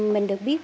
mình được biết